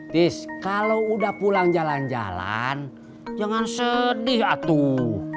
tis kalau udah pulang jalan jalan jangan sedih aku